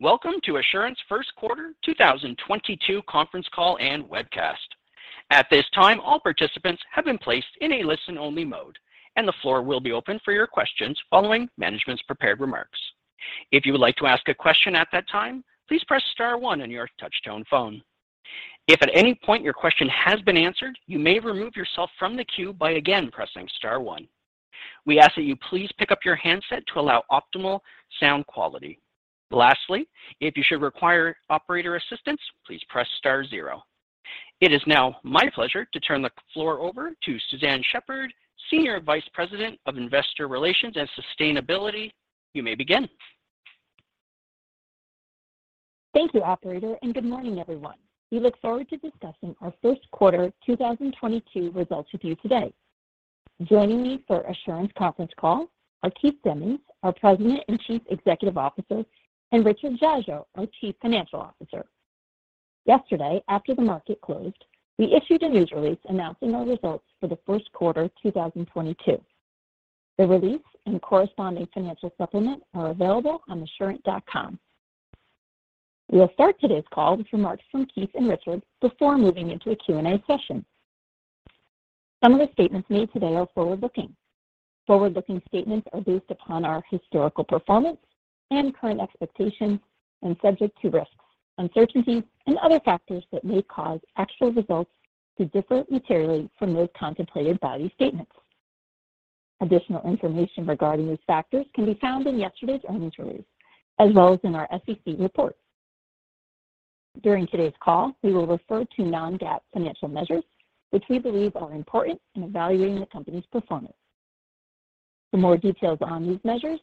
Welcome to Assurant's Q1 2022 Conference Call and Webcast. At this time, all participants have been placed in a listen-only mode, and the floor will be open for your questions following management's prepared remarks. If you would like to ask a question at that time, please press star one on your touchtone phone. If at any point your question has been answered, you may remove yourself from the queue by again pressing star one. We ask that you please pick up your handset to allow optimal sound quality. Lastly, if you should require operator assistance, please press star zero. It is now my pleasure to turn the floor over to Suzanne Shepherd, Senior Vice President of Investor Relations and Sustainability. You may begin. Thank you, operator, and good morning, everyone. We look forward to discussing our Q1 2022 results with you today. Joining me for Assurant's conference call are Keith Demmings, our President and Chief Executive Officer, and Richard Dziadzio, our Chief Financial Officer. Yesterday, after the market closed, we issued a news release announcing our results for the Q1 2022. The release and corresponding financial supplement are available on assurant.com. We will start today's call with remarks from Keith and Richard before moving into a Q&A session. Some of the statements made today are forward-looking. Forward-looking statements are based upon our historical performance and current expectations and subject to risks, uncertainties, and other factors that may cause actual results to differ materially from those contemplated by these statements. Additional information regarding these factors can be found in yesterday's earnings release as well as in our SEC reports. During today's call, we will refer to non-GAAP financial measures, which we believe are important in evaluating the company's performance. For more details on these measures,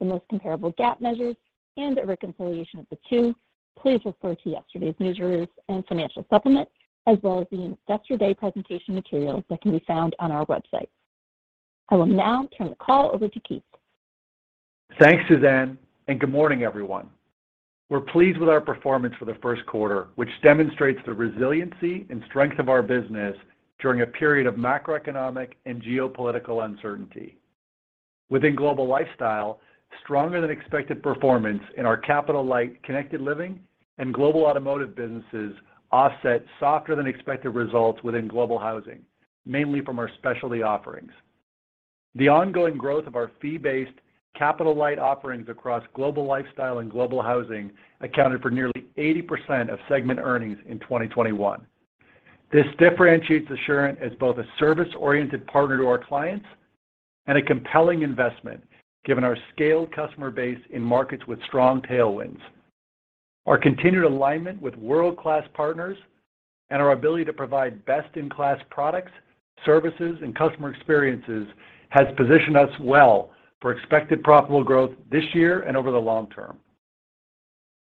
the most comparable GAAP measures, and a reconciliation of the two, please refer to yesterday's news release and financial supplement, as well as the Investor Day presentation material that can be found on our website. I will now turn the call over to Keith. Thanks, Suzanne, and good morning, everyone. We're pleased with our performance for the Q1, which demonstrates the resiliency and strength of our business during a period of macroeconomic and geopolitical uncertainty. Within Global Lifestyle, stronger-than-expected performance in our capital-light Connected Living and Global Automotive businesses offset softer-than-expected results within Global Housing, mainly from our specialty offerings. The ongoing growth of our fee-based capital-light offerings across Global Lifestyle and Global Housing accounted for nearly 80% of segment earnings in 2021. This differentiates Assurant as both a service-oriented partner to our clients and a compelling investment, given our scaled customer base in markets with strong tailwinds. Our continued alignment with world-class partners and our ability to provide best-in-class products, services, and customer experiences has positioned us well for expected profitable growth this year and over the long term.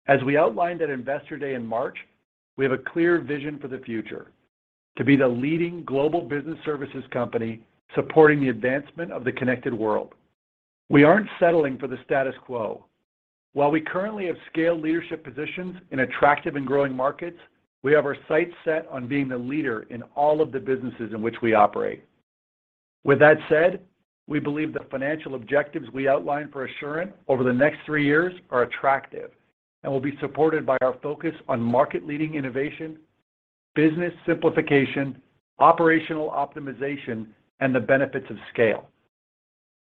As we outlined at Investor Day in March, we have a clear vision for the future: to be the leading global business services company supporting the advancement of the connected world. We aren't settling for the status quo. While we currently have scaled leadership positions in attractive and growing markets, we have our sights set on being the leader in all of the businesses in which we operate. With that said, we believe the financial objectives we outlined for Assurant over the next three years are attractive and will be supported by our focus on market-leading innovation, business simplification, operational optimization, and the benefits of scale.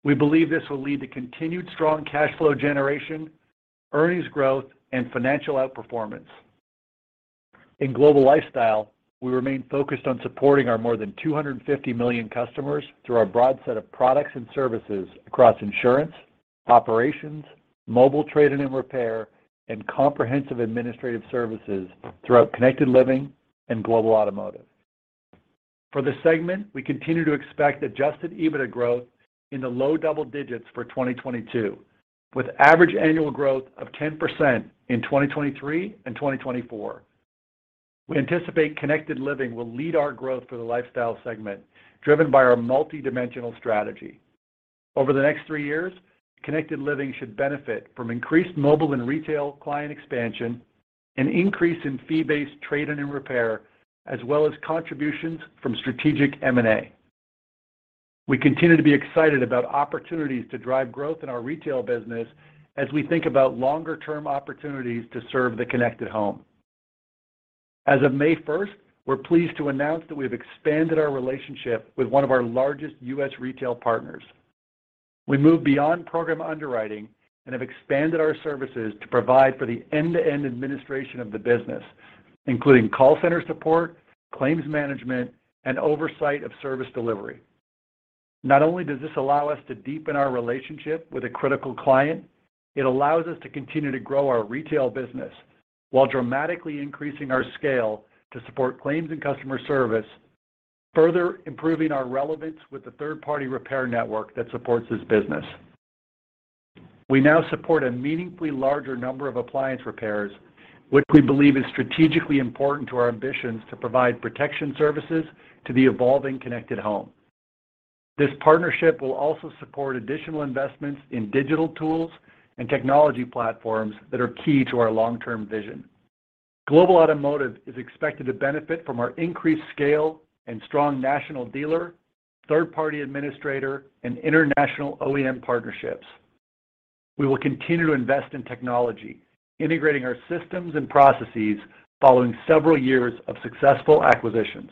We believe this will lead to continued strong cash flow generation, earnings growth, and financial outperformance. In Global Lifestyle, we remain focused on supporting our more than 250 million customers through our broad set of products and services across insurance, operations, mobile trade-in and repair, and comprehensive administrative services throughout Connected Living and Global Automotive. For this segment, we continue to expect adjusted EBITDA growth in the low double digits for 2022, with average annual growth of 10% in 2023 and 2024. We anticipate Connected Living will lead our growth for the Lifestyle segment, driven by our multidimensional strategy. Over the next 3 years, Connected Living should benefit from increased mobile and retail client expansion, an increase in fee-based trade-in and repair, as well as contributions from strategic M&A. We continue to be excited about opportunities to drive growth in our retail business as we think about longer-term opportunities to serve the connected home. As of May first, we're pleased to announce that we have expanded our relationship with one of our largest U.S. retail partners. We moved beyond program underwriting and have expanded our services to provide for the end-to-end administration of the business, including call center support, claims management, and oversight of service delivery. Not only does this allow us to deepen our relationship with a critical client, it allows us to continue to grow our retail business while dramatically increasing our scale to support claims and customer service, further improving our relevance with the third-party repair network that supports this business. We now support a meaningfully larger number of appliance repairs, which we believe is strategically important to our ambitions to provide protection services to the evolving connected home. This partnership will also support additional investments in digital tools and technology platforms that are key to our long-term vision. Global Automotive is expected to benefit from our increased scale and strong national dealer, third-party administrator, and international OEM partnerships. We will continue to invest in technology, integrating our systems and processes following several years of successful acquisitions.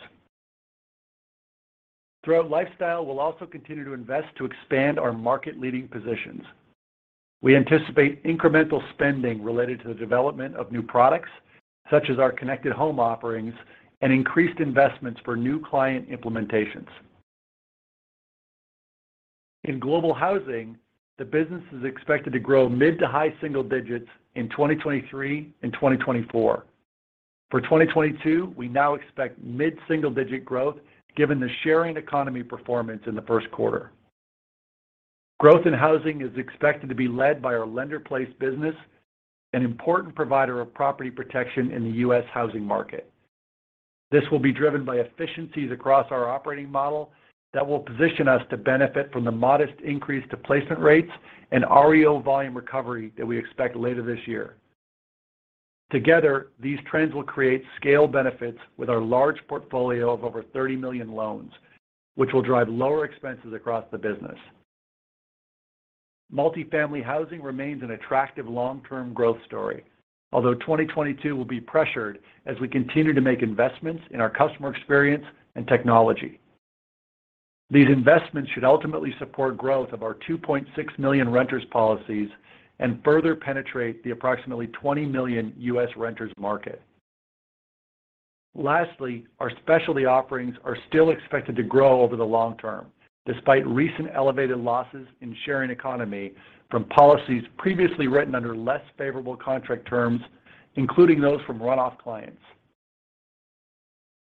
Throughout Lifestyle, we'll also continue to invest to expand our market-leading positions. We anticipate incremental spending related to the development of new products, such as our connected home offerings and increased investments for new client implementations. In Global Housing, the business is expected to grow mid- to high-single digits in 2023 and 2024. For 2022, we now expect mid-single-digit growth given the sharing economy performance in the Q1. Growth in Housing is expected to be led by our lender-placed business, an important provider of property protection in the U.S. housing market. This will be driven by efficiencies across our operating model that will position us to benefit from the modest increase to placement rates and REO volume recovery that we expect later this year. Together, these trends will create scale benefits with our large portfolio of over 30 million loans, which will drive lower expenses across the business. Multifamily housing remains an attractive long-term growth story. Although 2022 will be pressured as we continue to make investments in our customer experience and technology. These investments should ultimately support growth of our 2.6 million renters policies and further penetrate the approximately 20 million U.S. renters market. Lastly, our specialty offerings are still expected to grow over the long term, despite recent elevated losses in sharing economy from policies previously written under less favorable contract terms, including those from runoff clients.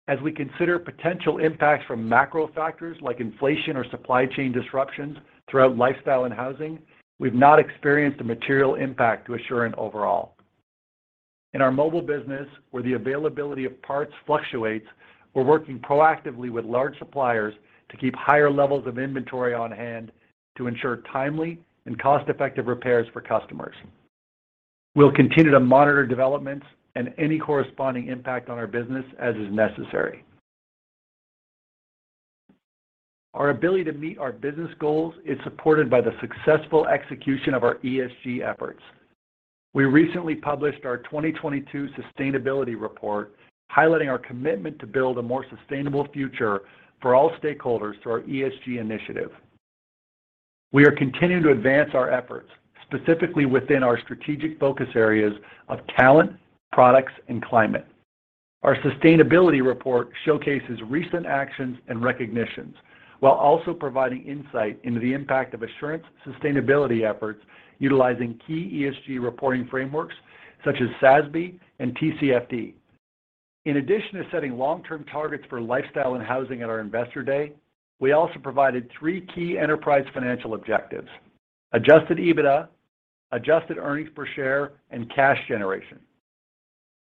As we consider potential impacts from macro factors like inflation or supply chain disruptions throughout Lifestyle and Housing, we've not experienced a material impact to Assurant overall. In our mobile business, where the availability of parts fluctuates, we're working proactively with large suppliers to keep higher levels of inventory on hand to ensure timely and cost-effective repairs for customers. We'll continue to monitor developments and any corresponding impact on our business as is necessary. Our ability to meet our business goals is supported by the successful execution of our ESG efforts. We recently published our 2022 sustainability report, highlighting our commitment to build a more sustainable future for all stakeholders through our ESG initiative. We are continuing to advance our efforts, specifically within our strategic focus areas of talent, products, and climate. Our sustainability report showcases recent actions and recognitions while also providing insight into the impact of Assurant's sustainability efforts utilizing key ESG reporting frameworks such as SASB and TCFD. In addition to setting long-term targets for Lifestyle and Housing at our Investor Day, we also provided three key enterprise financial objectives, adjusted EBITDA, adjusted earnings per share, and cash generation.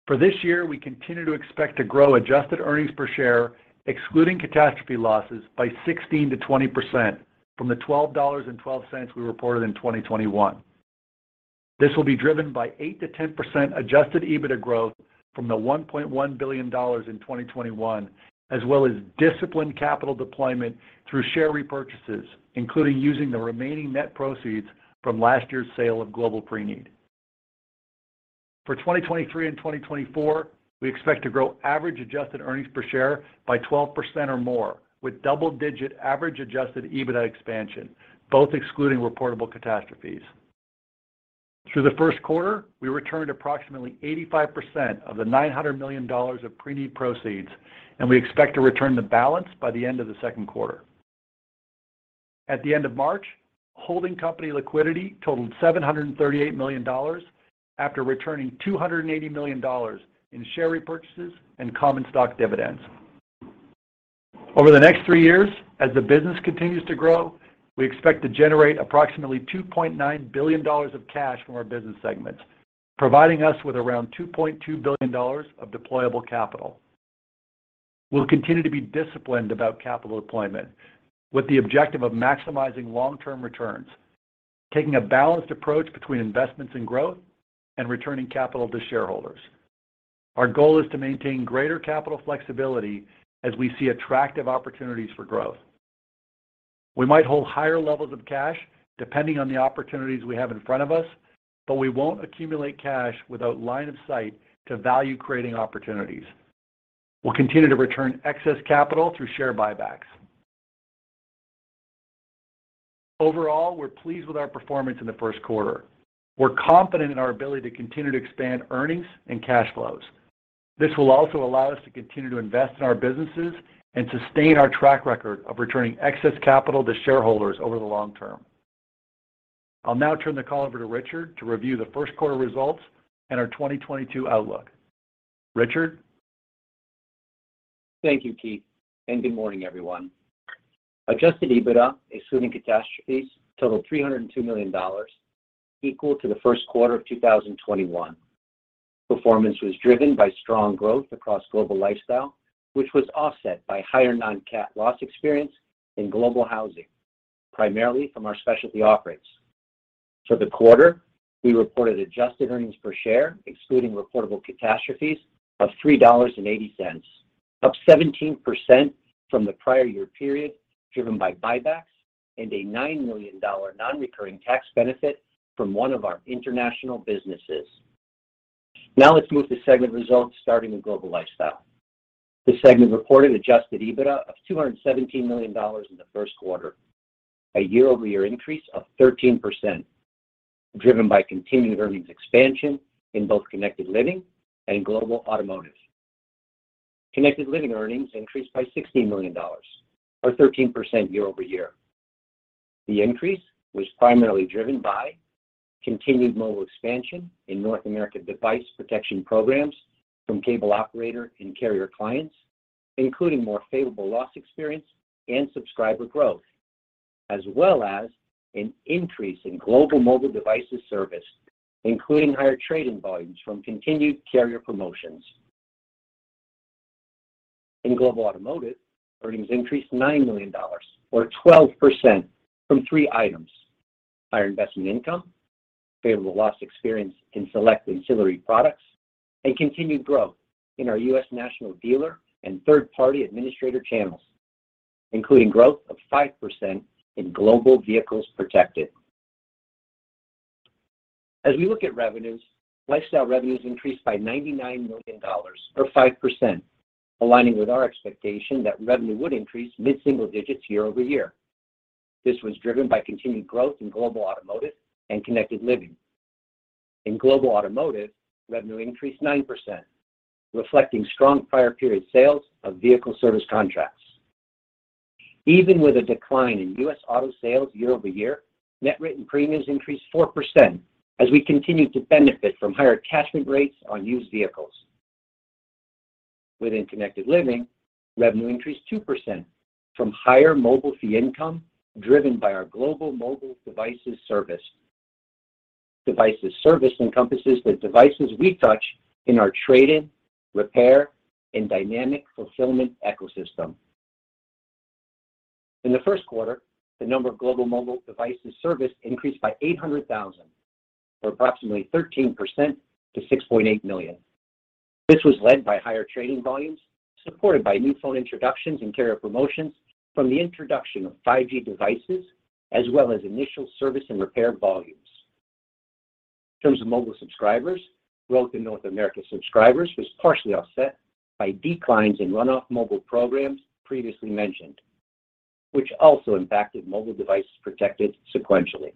For this year, we continue to expect to grow adjusted earnings per share, excluding catastrophe losses, by 16%-20% from the $12.12 we reported in 2021. This will be driven by 8%-10% adjusted EBITDA growth from the $1.1 billion in 2021, as well as disciplined capital deployment through share repurchases, including using the remaining net proceeds from last year's sale of Global Preneed. For 2023 and 2024, we expect to grow average adjusted earnings per share by 12% or more, with double-digit average adjusted EBITDA expansion, both excluding reportable catastrophes. Through the Q1, we returned approximately 85% of the $900 million of Preneed proceeds, and we expect to return the balance by the end of the Q2. At the end of March, holding company liquidity totaled $738 million after returning $280 million in share repurchases and common stock dividends. Over the next three years, as the business continues to grow, we expect to generate approximately $2.9 billion of cash from our business segments, providing us with around $2.2 billion of deployable capital. We'll continue to be disciplined about capital deployment with the objective of maximizing long-term returns, taking a balanced approach between investments in growth and returning capital to shareholders. Our goal is to maintain greater capital flexibility as we see attractive opportunities for growth. We might hold higher levels of cash depending on the opportunities we have in front of us, but we won't accumulate cash without line of sight to value-creating opportunities. We'll continue to return excess capital through share buybacks. Overall, we're pleased with our performance in the Q1. We're confident in our ability to continue to expand earnings and cash flows. This will also allow us to continue to invest in our businesses and sustain our track record of returning excess capital to shareholders over the long term. I'll now turn the call over to Richard to review the Q1 results and our 2022 outlook. Richard? Thank you, Keith, and good morning, everyone. Adjusted EBITDA, excluding catastrophes, totaled $302 million, equal to the Q1 of 2021. Performance was driven by strong growth across Global Lifestyle, which was offset by higher non-cat loss experience in Global Housing, primarily from our Specialty offerings. For the quarter, we reported adjusted earnings per share, excluding reportable catastrophes, of $3.80, up 17% from the prior year period, driven by buybacks and a $9 million non-recurring tax benefit from one of our international businesses. Now let's move to segment results, starting with Global Lifestyle. This segment reported adjusted EBITDA of $217 million in the Q1, a year-over-year increase of 13%, driven by continued earnings expansion in both Connected Living and Global Automotive. Connected Living earnings increased by $60 million or 13% year-over-year. The increase was primarily driven by continued mobile expansion in North American device protection programs from cable operator and carrier clients, including more favorable loss experience and subscriber growth, as well as an increase in global mobile devices serviced, including higher trade-in volumes from continued carrier promotions. In Global Automotive, earnings increased $9 million or 12% from three items, higher investment income, favorable loss experience in select ancillary products, and continued growth in our U.S. national dealer and third-party administrator channels, including growth of 5% in global vehicles protected. As we look at revenues, Lifestyle revenues increased by $99 million or 5%, aligning with our expectation that revenue would increase mid-single digits year-over-year. This was driven by continued growth in Global Automotive and Connected Living. In Global Automotive, revenue increased 9%, reflecting strong prior period sales of vehicle service contracts. Even with a decline in U.S. auto sales year-over-year, net written premiums increased 4% as we continue to benefit from higher attachment rates on used vehicles. Within Connected Living, revenue increased 2% from higher mobile fee income driven by our global mobile devices service. Devices service encompasses the devices we touch in our trade-in, repair, and dynamic fulfillment ecosystem. In the Q1, the number of global mobile devices serviced increased by 800,000, or approximately 13% to 6.8 million. This was led by higher trading volumes supported by new phone introductions and carrier promotions from the introduction of 5G devices as well as initial service and repair volumes. In terms of mobile subscribers, growth in North America subscribers was partially offset by declines in runoff mobile programs previously mentioned, which also impacted mobile devices protected sequentially.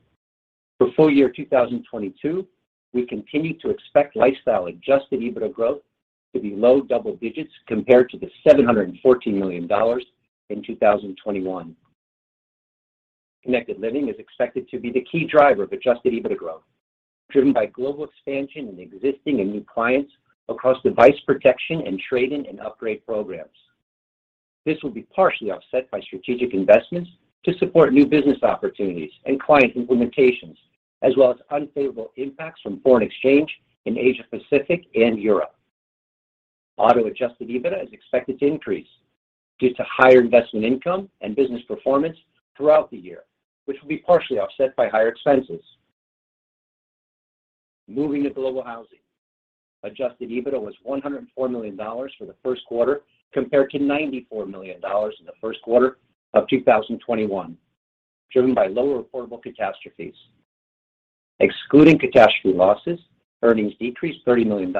For full year 2022, we continue to expect Lifestyle adjusted EBITDA growth to be low double digits compared to the $714 million in 2021. Connected Living is expected to be the key driver of adjusted EBITDA growth, driven by global expansion in existing and new clients across device protection and trade-in and upgrade programs. This will be partially offset by strategic investments to support new business opportunities and client implementations, as well as unfavorable impacts from foreign exchange in Asia-Pacific and Europe. Auto adjusted EBITDA is expected to increase due to higher investment income and business performance throughout the year, which will be partially offset by higher expenses. Moving to Global Housing. Adjusted EBITDA was $104 million for the Q1 compared to $94 million in the Q1 of 2021, driven by lower reportable catastrophes. Excluding catastrophe losses, earnings decreased $30 million,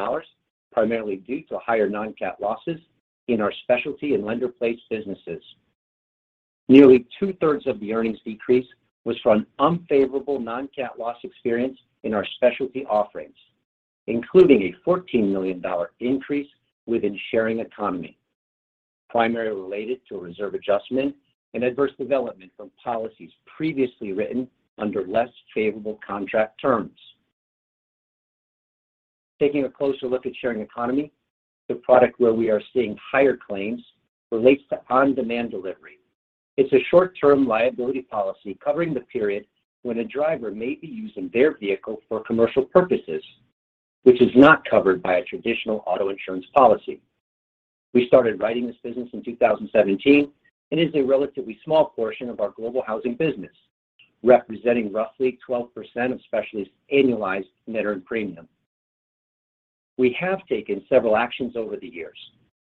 primarily due to higher non-cat losses in our Specialty and Lender-Placed businesses. Nearly two-thirds of the earnings decrease was from unfavorable non-cat loss experience in our Specialty offerings, including a $14 million dollar increase within sharing economy, primarily related to a reserve adjustment and adverse development from policies previously written under less favorable contract terms. Taking a closer look at sharing economy, the product where we are seeing higher claims relates to on-demand delivery. It's a short-term liability policy covering the period when a driver may be using their vehicle for commercial purposes, which is not covered by a traditional auto insurance policy. We started writing this business in 2017, and it is a relatively small portion of our Global Housing business, representing roughly 12% of Specialty's annualized net earned premium. We have taken several actions over the years,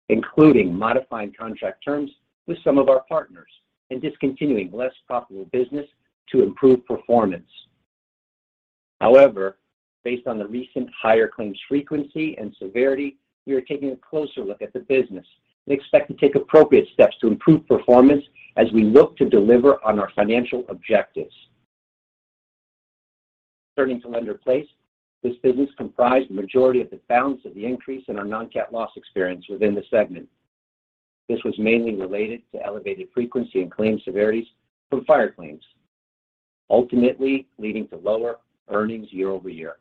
including modifying contract terms with some of our partners and discontinuing less profitable business to improve performance. However, based on the recent higher claims frequency and severity, we are taking a closer look at the business and expect to take appropriate steps to improve performance as we look to deliver on our financial objectives. Turning to Lender-Placed, this business comprised the majority of the balance of the increase in our non-cat loss experience within the segment. This was mainly related to elevated frequency and claim severities from fire claims, ultimately leading to lower earnings year-over-year.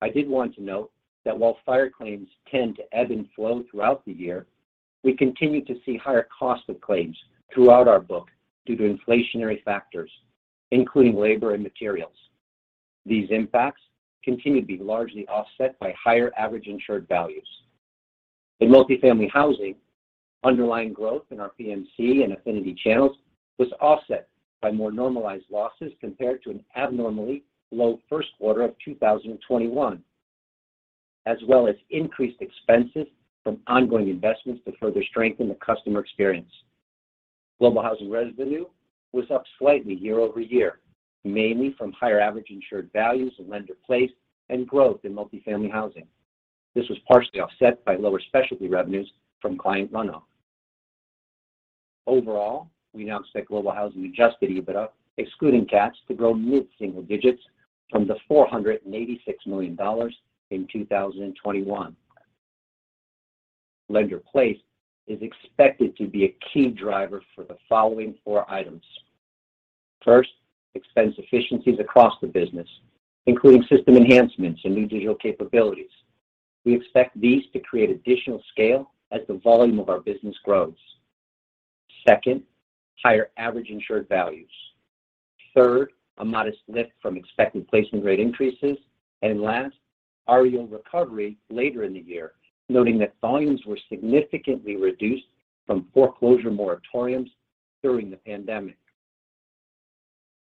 I did want to note that while fire claims tend to ebb and flow throughout the year, we continue to see higher cost of claims throughout our book due to inflationary factors, including labor and materials. These impacts continue to be largely offset by higher average insured values. In multifamily housing, underlying growth in our PMC and affinity channels was offset by more normalized losses compared to an abnormally low Q1 of 2021, as well as increased expenses from ongoing investments to further strengthen the customer experience. Global Housing revenue was up slightly year-over-year, mainly from higher average insured values in LenderPlace and growth in multifamily housing. This was partially offset by lower specialty revenues from client runoff. Overall, we now expect Global Housing adjusted EBITDA, excluding cats, to grow mid-single digits from the $486 million in 2021. Lender-Placed is expected to be a key driver for the following four items. First, expense efficiencies across the business, including system enhancements and new digital capabilities. We expect these to create additional scale as the volume of our business grows. Second, higher average insured values. Third, a modest lift from expected placement rate increases. Last, REO recovery later in the year, noting that volumes were significantly reduced from foreclosure moratoriums during the pandemic.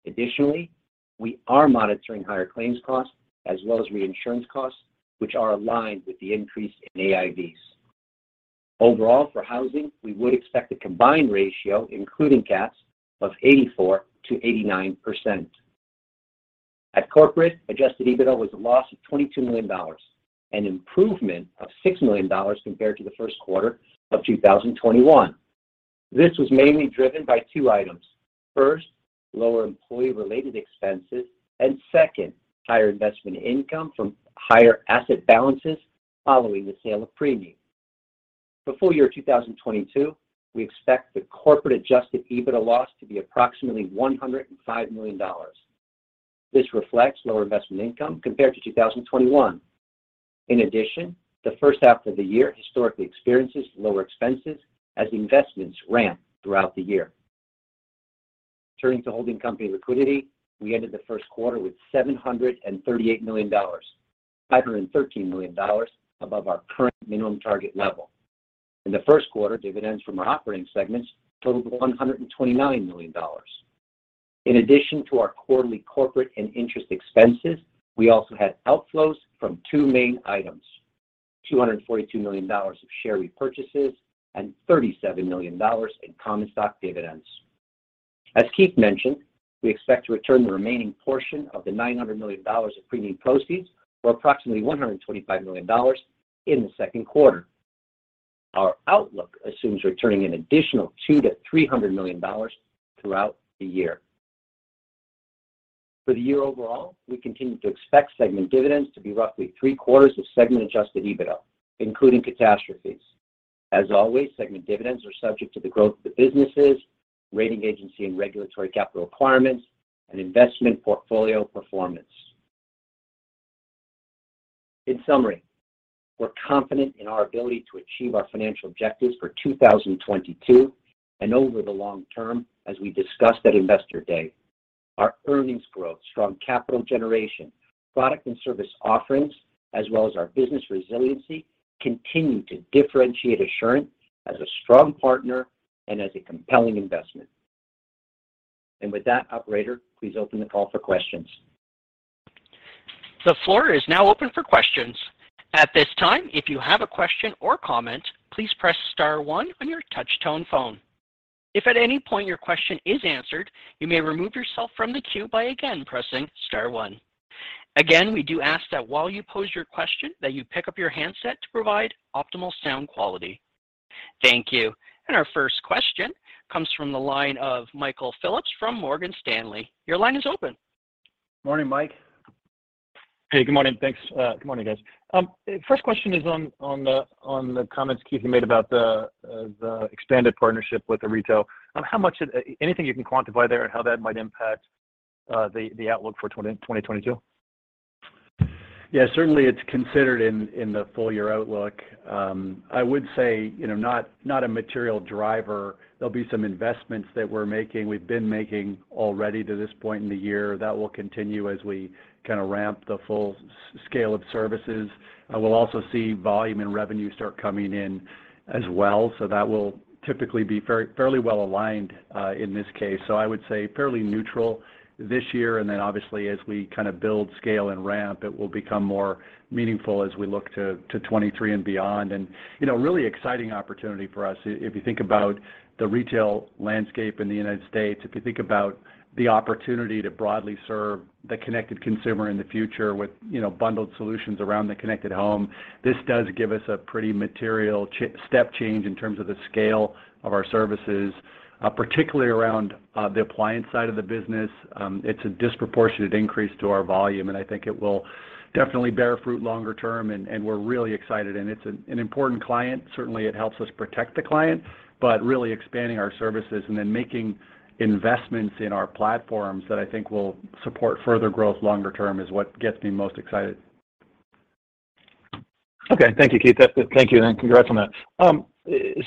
Additionally, we are monitoring higher claims costs as well as reinsurance costs, which are aligned with the increase in AIVs. Overall, for housing, we would expect a combined ratio including cats of 84%-89%. At Corporate, adjusted EBITDA was a loss of $22 million, an improvement of $6 million compared to the Q1 of 2021. This was mainly driven by two items. First, lower employee-related expenses, and second, higher investment income from higher asset balances following the sale of Preneed. For full year 2022, we expect the corporate Adjusted EBITDA loss to be approximately $105 million. This reflects lower investment income compared to 2021. In addition, the first half of the year historically experiences lower expenses as investments ramp throughout the year. Turning to holding company liquidity, we ended the Q1 with $738 million, $513 million above our current minimum target level. In the Q1, dividends from our operating segments totaled $129 million. In addition to our quarterly corporate and interest expenses, we also had outflows from two main items. $242 million of share repurchases and $37 million in common stock dividends. As Keith mentioned, we expect to return the remaining portion of the $900 million of premium proceeds, or approximately $125 million, in the Q2. Our outlook assumes returning an additional $200 million-$300 million throughout the year. For the year overall, we continue to expect segment dividends to be roughly three-quarters of segment adjusted EBITDA, including catastrophes. As always, segment dividends are subject to the growth of the businesses, rating agency and regulatory capital requirements, and investment portfolio performance. In summary, we're confident in our ability to achieve our financial objectives for 2022 and over the long term as we discussed at Investor Day. Our earnings growth, strong capital generation, product and service offerings, as well as our business resiliency, continue to differentiate Assurant as a strong partner and as a compelling investment. With that, operator, please open the call for questions. The floor is now open for questions. At this time, if you have a question or comment, please press star one on your touch tone phone. If at any point your question is answered, you may remove yourself from the queue by again pressing star one. Again, we do ask that while you pose your question, that you pick up your handset to provide optimal sound quality. Thank you. Our first question comes from the line of Michael Phillips from Morgan Stanley. Your line is open. Morning, Mike. Hey, good morning. Thanks. Good morning, guys. First question is on the comments Keith, you made about the expanded partnership with the retailer. Anything you can quantify there and how that might impact the outlook for 2020-2022? Yeah, certainly it's considered in the full year outlook. I would say, you know, not a material driver. There'll be some investments that we're making, we've been making already to this point in the year. That will continue as we kind of ramp the full scale of services. We'll also see volume and revenue start coming in as well. That will typically be fairly well aligned in this case. I would say fairly neutral this year, and then obviously as we kind of build scale and ramp, it will become more meaningful as we look to 2023 and beyond. You know, a really exciting opportunity for us if you think about the retail landscape in the United States, if you think about the opportunity to broadly serve the connected consumer in the future with, you know, bundled solutions around the connected home, this does give us a pretty material step change in terms of the scale of our services, particularly around the appliance side of the business. It's a disproportionate increase to our volume, and I think it will definitely bear fruit longer term, and we're really excited. It's an important client. Certainly, it helps us protect the client, but really expanding our services and then making investments in our platforms that I think will support further growth longer term is what gets me most excited. Okay. Thank you, Keith. That's it. Thank you, and congrats on that.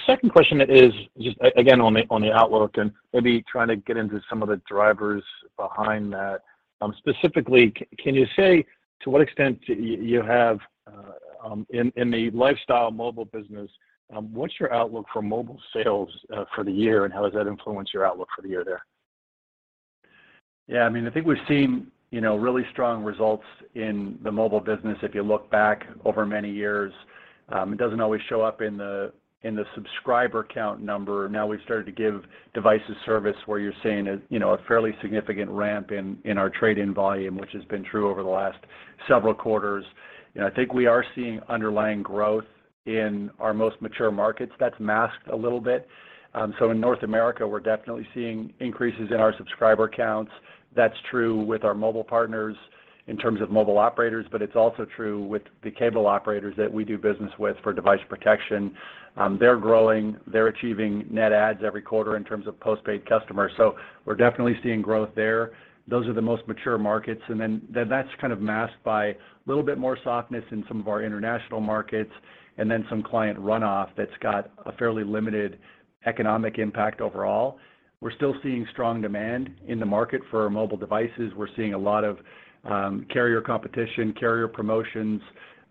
Second question is just again on the outlook and maybe trying to get into some of the drivers behind that. Specifically, can you say to what extent you have, in the lifestyle mobile business, what's your outlook for mobile sales, for the year, and how does that influence your outlook for the year there? Yeah. I mean, I think we've seen, you know, really strong results in the mobile business. If you look back over many years, it doesn't always show up in the subscriber count number. Now we've started to give devices service where you're seeing a, you know, a fairly significant ramp in our trade-in volume, which has been true over the last several quarters. You know, I think we are seeing underlying growth in our most mature markets that's masked a little bit. So in North America, we're definitely seeing increases in our subscriber counts. That's true with our mobile partners in terms of mobile operators, but it's also true with the cable operators that we do business with for device protection. They're growing. They're achieving net adds every quarter in terms of postpaid customers. So we're definitely seeing growth there. Those are the most mature markets. Then that's kind of masked by a little bit more softness in some of our international markets, and then some client runoff that's got a fairly limited economic impact overall. We're still seeing strong demand in the market for mobile devices. We're seeing a lot of carrier competition, carrier promotions.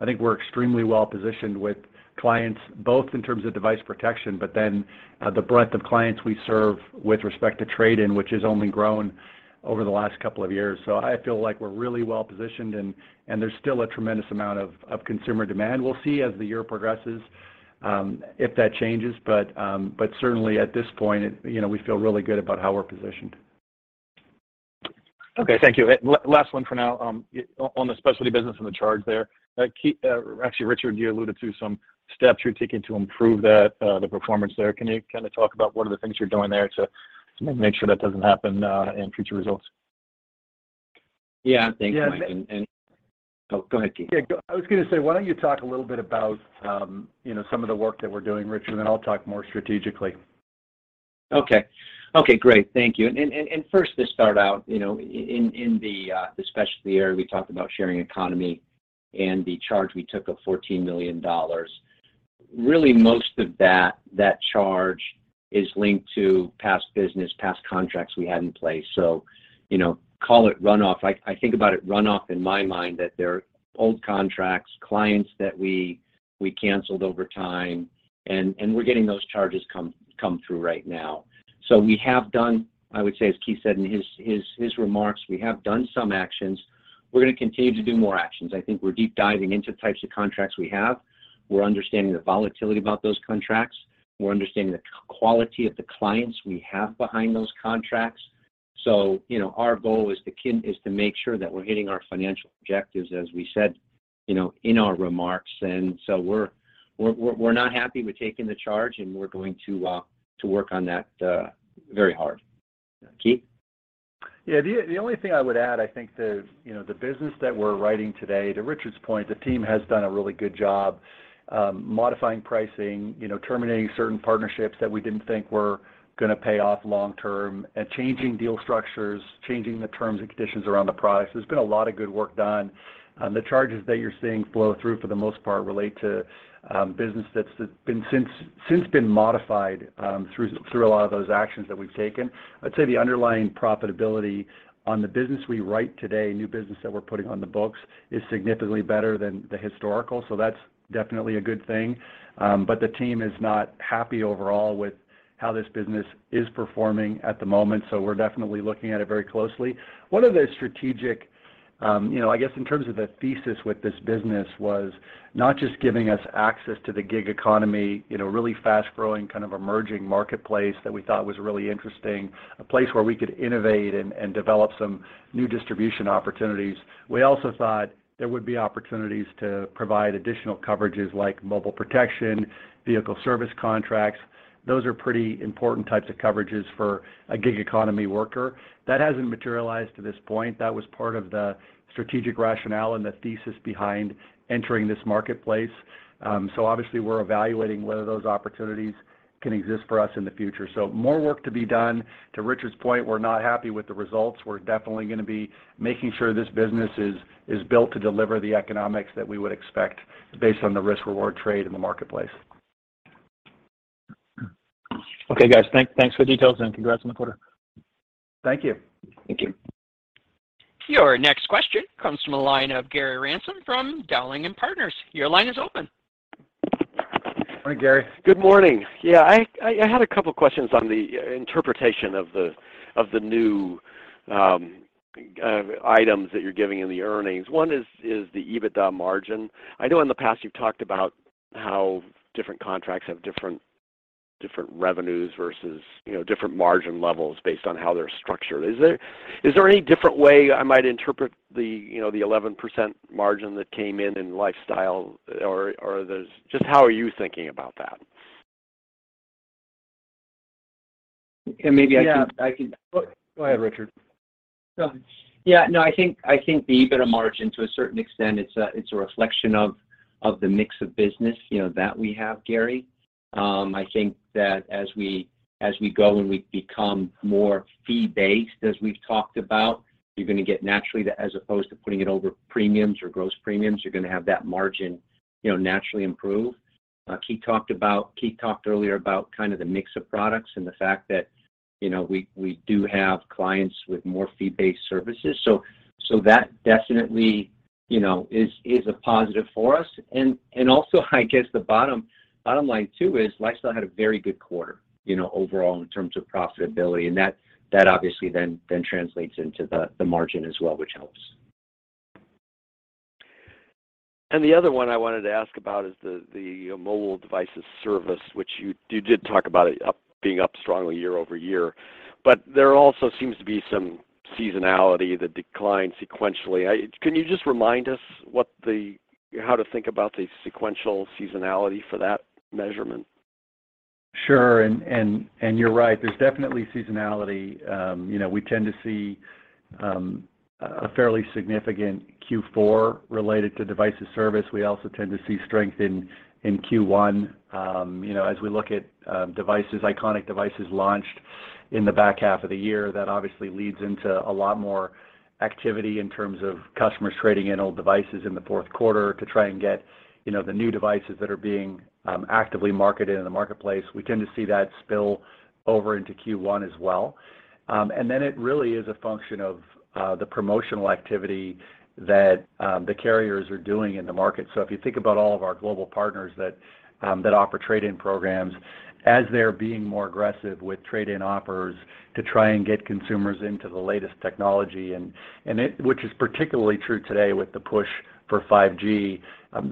I think we're extremely well-positioned with clients, both in terms of device protection, but then the breadth of clients we serve with respect to trade-in, which has only grown over the last couple of years. I feel like we're really well-positioned and there's still a tremendous amount of consumer demand. We'll see as the year progresses if that changes, but certainly at this point, you know, we feel really good about how we're positioned. Okay. Thank you. Last one for now. On the Specialty business and the charge there, Keith, actually, Richard, you alluded to some steps you're taking to improve that, the performance there. Can you kinda talk about what are the things you're doing there to make sure that doesn't happen in future results? Yeah. Thanks, Mike. Yeah. Oh, go ahead, Keith. Yeah. I was gonna say, why don't you talk a little bit about, you know, some of the work that we're doing, Richard, and I'll talk more strategically. Okay, great. Thank you. First to start out, you know, in the Specialty area, we talked about sharing economy and the charge we took of $14 million. Really most of that charge is linked to past business, past contracts we had in place. You know, call it runoff. I think about it runoff in my mind that they're old contracts, clients that we canceled over time, and we're getting those charges come through right now. We have done, I would say, as Keith said in his remarks, we have done some actions. We're gonna continue to do more actions. I think we're deep diving into types of contracts we have. We're understanding the volatility about those contracts. We're understanding the quality of the clients we have behind those contracts. You know, our goal is to make sure that we're hitting our financial objectives, as we said, you know, in our remarks. We're not happy with taking the charge, and we're going to work on that very hard. Keith? Yeah. The only thing I would add, I think you know the business that we're writing today, to Richard's point, the team has done a really good job modifying pricing, you know, terminating certain partnerships that we didn't think were gonna pay off long term, and changing deal structures, changing the terms and conditions around the price. There's been a lot of good work done. The charges that you're seeing flow through for the most part relate to business that's been since been modified through a lot of those actions that we've taken. I'd say the underlying profitability on the business we write today, new business that we're putting on the books, is significantly better than the historical, so that's definitely a good thing. The team is not happy overall with how this business is performing at the moment, so we're definitely looking at it very closely. One of the strategic, you know, I guess in terms of the thesis with this business was not just giving us access to the gig economy in a really fast-growing, kind of emerging marketplace that we thought was really interesting, a place where we could innovate and develop some new distribution opportunities. We also thought there would be opportunities to provide additional coverages like mobile protection, vehicle service contracts. Those are pretty important types of coverages for a gig economy worker. That hasn't materialized to this point. That was part of the strategic rationale and the thesis behind entering this marketplace. Obviously we're evaluating whether those opportunities can exist for us in the future. More work to be done. To Richard's point, we're not happy with the results. We're definitely gonna be making sure this business is built to deliver the economics that we would expect based on the risk-reward trade in the marketplace. Okay, guys. Thanks for the details and congrats on the quarter. Thank you. Thank you. Your next question comes from the line of Gary Ransom from Dowling & Partners. Your line is open. Hi, Gary. Good morning. Yeah. I had a couple questions on the interpretation of the new items that you're giving in the earnings. One is the EBITDA margin. I know in the past you've talked about how different contracts have different revenues versus, you know, different margin levels based on how they're structured. Is there any different way I might interpret the, you know, the 11% margin that came in in lifestyle or are those. Just how are you thinking about that? Maybe I can- Go ahead, Richard. Yeah. No, I think the EBITDA margin to a certain extent, it's a reflection of the mix of business, you know, that we have, Gary. I think that as we go and we become more fee-based, as we've talked about, you're gonna get naturally, as opposed to putting it over premiums or gross premiums, you're gonna have that margin, you know, naturally improve. Keith talked earlier about kind of the mix of products and the fact that, you know, we do have clients with more fee-based services. That definitely, you know, is a positive for us. Also I guess the bottom line too is Lifestyle had a very good quarter, you know, overall in terms of profitability, and that obviously then translates into the margin as well, which helps. The other one I wanted to ask about is the mobile devices service, which you did talk about it being up strongly year over year. There also seems to be some seasonality that declined sequentially. Can you just remind us how to think about the sequential seasonality for that measurement? Sure. You're right. There's definitely seasonality. You know, we tend to see a fairly significant Q4 related to devices service. We also tend to see strength in Q1. You know, as we look at devices, iconic devices launched in the back half of the year, that obviously leads into a lot more activity in terms of customers trading in old devices in the Q4 to try and get, you know, the new devices that are being actively marketed in the marketplace. We tend to see that spill over into Q1 as well. It really is a function of the promotional activity that the carriers are doing in the market. If you think about all of our global partners that offer trade-in programs, as they're being more aggressive with trade-in offers to try and get consumers into the latest technology and which is particularly true today with the push for 5G,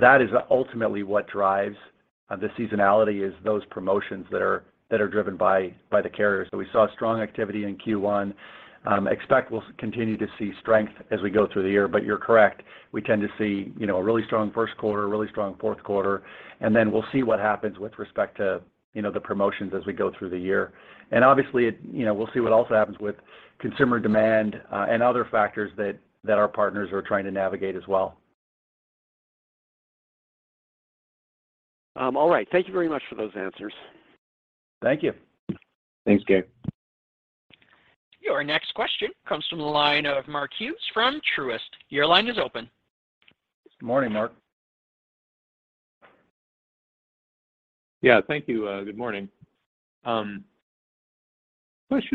that is ultimately what drives the seasonality is those promotions that are driven by the carriers. We saw strong activity in Q1. Expect we'll continue to see strength as we go through the year. You're correct, we tend to see, you know, a really strong Q1, a really strong Q4, and then we'll see what happens with respect to, you know, the promotions as we go through the year. Obviously, it, you know, we'll see what also happens with consumer demand, and other factors that our partners are trying to navigate as well. All right. Thank you very much for those answers. Thank you. Thanks, Gary. Your next question comes from the line of Mark Hughes from Truist. Your line is open. Morning, Mark. Yeah. Thank you. Good morning. Question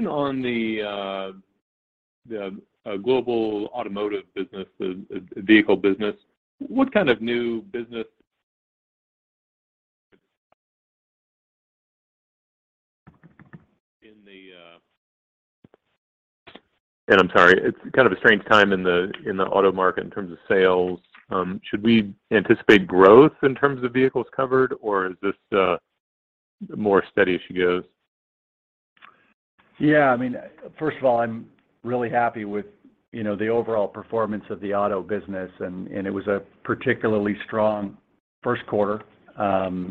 on the Global Automotive business, the vehicle business. What kind of new business. I'm sorry, it's kind of a strange time in the auto market in terms of sales. Should we anticipate growth in terms of vehicles covered, or is this more steady as she goes? Yeah, I mean, first of all, I'm really happy with, you know, the overall performance of the auto business and it was a particularly strong Q1,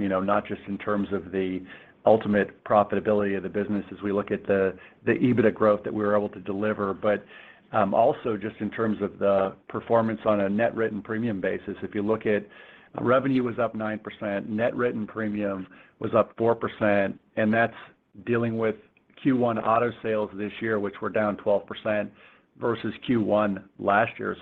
you know, not just in terms of the ultimate profitability of the business as we look at the EBITDA growth that we were able to deliver, but also just in terms of the performance on a net written premium basis. If you look at revenue was up 9%, net written premium was up 4%, and that's dealing with Q1 auto sales this year, which were down 12% versus Q1 last year.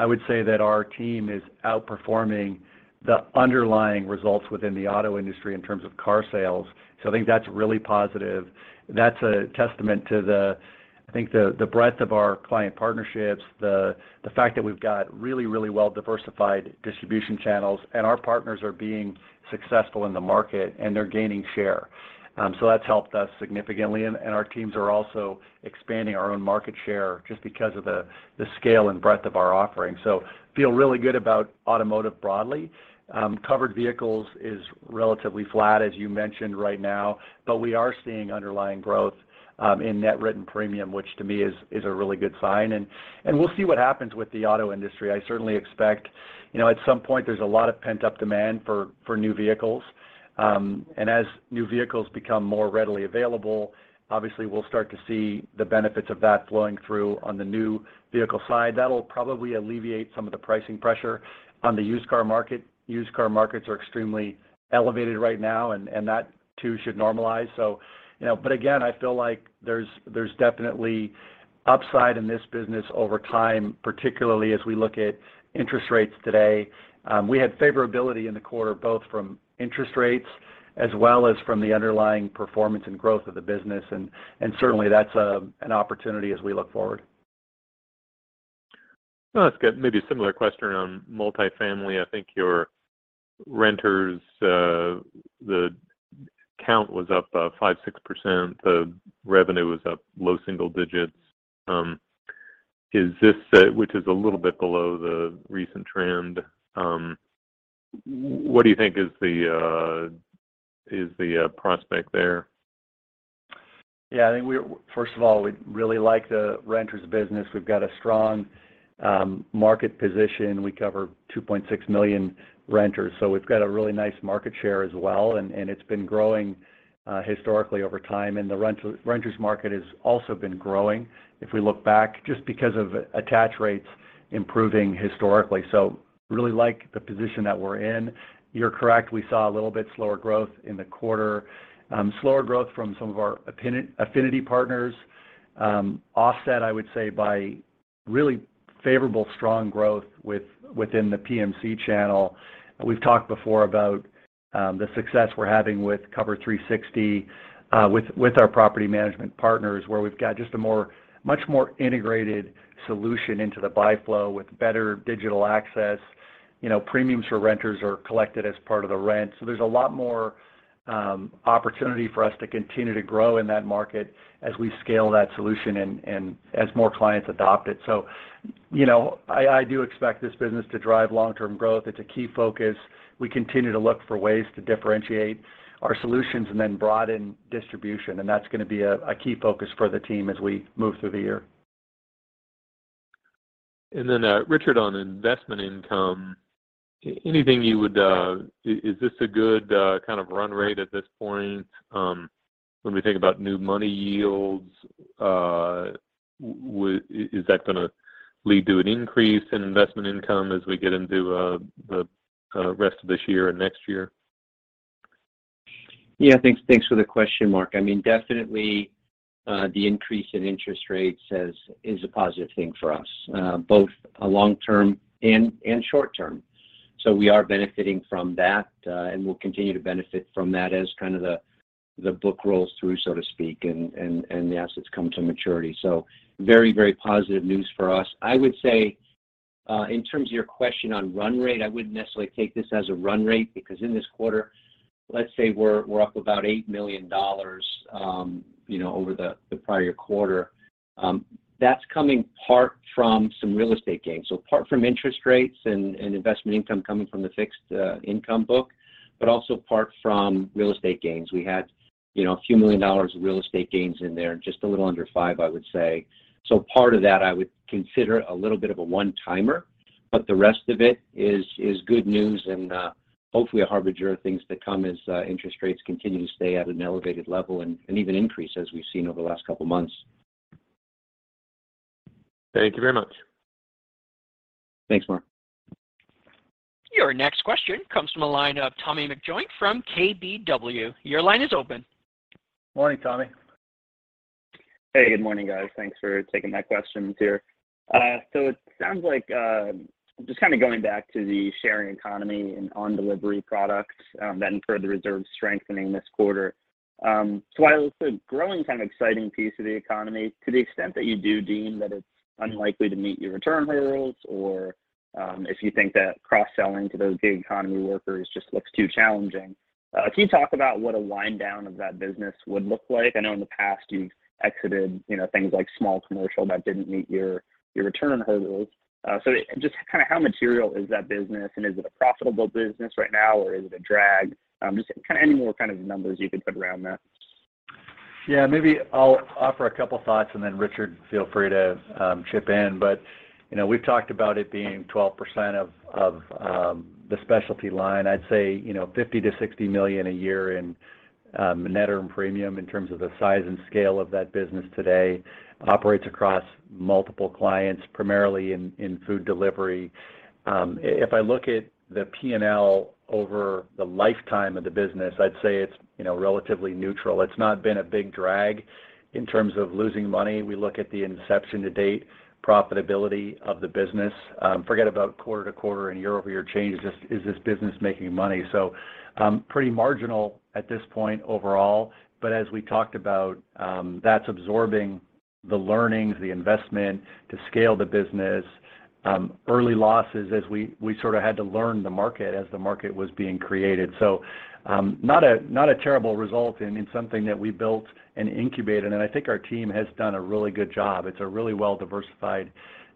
I would say that our team is outperforming the underlying results within the auto industry in terms of car sales. I think that's really positive. That's a testament to the breadth of our client partnerships, the fact that we've got really well-diversified distribution channels, and our partners are being successful in the market, and they're gaining share. That's helped us significantly. Our teams are also expanding our own market share just because of the scale and breadth of our offering. Feel really good about automotive broadly. Covered vehicles is relatively flat, as you mentioned right now, but we are seeing underlying growth in net written premium, which to me is a really good sign. We'll see what happens with the auto industry. I certainly expect, you know, at some point, there's a lot of pent-up demand for new vehicles. As new vehicles become more readily available, obviously we'll start to see the benefits of that flowing through on the new vehicle side. That'll probably alleviate some of the pricing pressure on the used car market. Used car markets are extremely elevated right now, and that too should normalize. You know, but again, I feel like there's definitely upside in this business over time, particularly as we look at interest rates today. We had favorability in the quarter, both from interest rates as well as from the underlying performance and growth of the business, and certainly that's an opportunity as we look forward. That's good. Maybe a similar question on multifamily. I think your renters, the count was up 5%-6%. The revenue was up low single digits. Is this, which is a little bit below the recent trend? What do you think is the prospect there? Yeah. I think First of all, we really like the renters business. We've got a strong market position. We cover 2.6 million renters, so we've got a really nice market share as well, and it's been growing historically over time. The renters market has also been growing, if we look back, just because of attach rates improving historically. Really like the position that we're in. You're correct, we saw a little bit slower growth in the quarter. Slower growth from some of our affinity partners, offset, I would say, by really favorable strong growth within the PMC channel. We've talked before about the success we're having with Cover360, with our property management partners where we've got just a much more integrated solution into the buy flow with better digital access. You know, premiums for renters are collected as part of the rent. There's a lot more opportunity for us to continue to grow in that market as we scale that solution and as more clients adopt it. You know, I do expect this business to drive long-term growth. It's a key focus. We continue to look for ways to differentiate our solutions and then broaden distribution, and that's gonna be a key focus for the team as we move through the year. Richard Dziadzio, on investment income, anything you would. Is this a good kind of run rate at this point, when we think about new money yields? Is that gonna lead to an increase in investment income as we get into the rest of this year and next year? Yeah. Thanks for the question, Mark. I mean, definitely, the increase in interest rates is a positive thing for us, both long-term and short term. We are benefiting from that and we'll continue to benefit from that as kind of the book rolls through, so to speak, and the assets come to maturity. Very positive news for us. I would say, in terms of your question on run rate, I wouldn't necessarily take this as a run rate because in this quarter, let's say we're up about $8 million, you know, over the prior quarter. That's coming in part from some real estate gains. Apart from interest rates and investment income coming from the fixed income book, but also apart from real estate gains. We had, you know, a few million dollars of real estate gains in there, just a little under $5 million, I would say. Part of that I would consider a little bit of a one-timer, but the rest of it is good news and hopefully a harbinger of things to come as interest rates continue to stay at an elevated level and even increase as we've seen over the last couple of months. Thank you very much. Thanks, Mark. Your next question comes from the line of Tommy McJoynt from KBW. Your line is open. Morning, Tommy. Hey, good morning, guys. Thanks for taking my questions here. It sounds like just kind of going back to the sharing economy and on-delivery products that improved the reserve strengthening this quarter. While it's a growing kind of exciting piece of the economy, to the extent that you do deem that it's unlikely to meet your return hurdles or if you think that cross-selling to those gig economy workers just looks too challenging, can you talk about what a wind down of that business would look like? I know in the past you've exited, you know, things like small commercial that didn't meet your return hurdles. Just kinda how material is that business, and is it a profitable business right now, or is it a drag? Just kinda any more kind of numbers you can put around that. Yeah, maybe I'll offer a couple of thoughts, and then Richard, feel free to chip in. You know, we've talked about it being 12% of the specialty line. I'd say, you know, $50 million-$60 million a year in net earned premium in terms of the size and scale of that business today operates across multiple clients, primarily in food delivery. If I look at the P&L over the lifetime of the business, I'd say it's, you know, relatively neutral. It's not been a big drag in terms of losing money. We look at the inception to date profitability of the business. Forget about quarter-to-quarter and year-over-year changes. Is this business making money? Pretty marginal at this point overall. As we talked about, that's absorbing the learnings, the investment to scale the business, early losses as we sort of had to learn the market as the market was being created. Not a terrible result in something that we built and incubated, and I think our team has done a really good job. It's a really well-diversified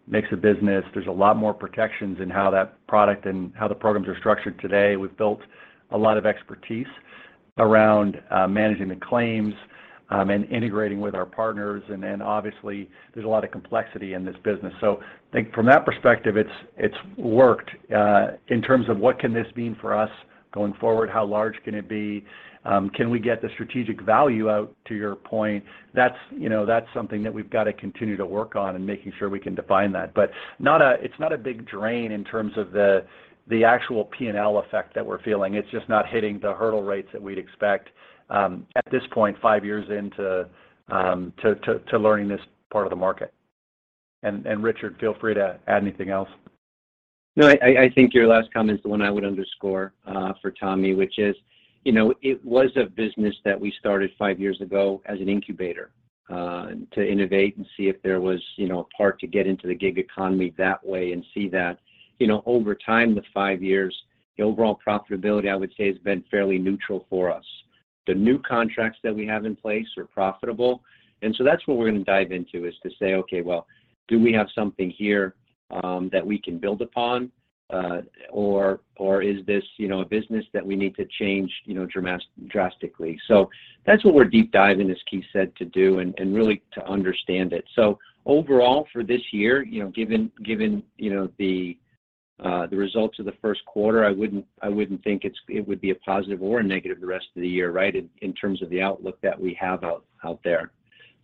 mix of business. There's a lot more protections in how that product and how the programs are structured today. We've built a lot of expertise around managing the claims, and integrating with our partners. Obviously, there's a lot of complexity in this business. I think from that perspective, it's worked. In terms of what can this mean for us going forward, how large can it be, can we get the strategic value out to your point, that's, you know, that's something that we've got to continue to work on and making sure we can define that. But it's not a big drain in terms of the actual P&L effect that we're feeling. It's just not hitting the hurdle rates that we'd expect, at this point, five years in to learning this part of the market. Richard, feel free to add anything else. No. I think your last comment is the one I would underscore for Tommy, which is, you know, it was a business that we started five years ago as an incubator to innovate and see if there was, you know, a part to get into the gig economy that way and see that. You know, over time, the five years, the overall profitability, I would say, has been fairly neutral for us. The new contracts that we have in place are profitable, and that's what we're gonna dive into, is to say, okay, well, do we have something here that we can build upon or is this, you know, a business that we need to change, you know, drastically. That's what we're deep diving, as Keith said, to do and really to understand it. Overall, for this year, you know, given, you know, the results of the Q1, I wouldn't think it would be a positive or a negative the rest of the year, right, in terms of the outlook that we have out there.